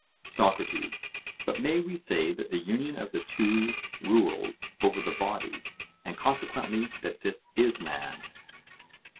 SOCRATES: But may we say that the union of the two rules over the body, and consequently that this is man?